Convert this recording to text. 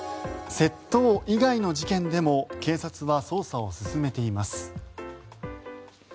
窃盗以外の事件でも警察は捜査を進めています。